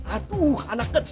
atuh anak kecil